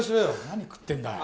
何食ってるんだよ。